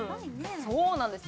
そうなんです